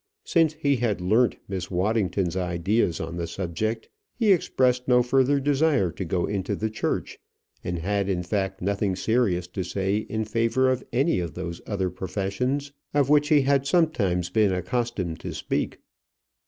Since he had learnt Miss Waddington's ideas on the subject, he expressed no further desire to go into the church, and had, in fact, nothing serious to say in favour of any of those other professions of which he had sometimes been accustomed to speak.